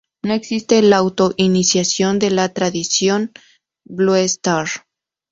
No existe la auto-iniciación en la tradición Blue Star.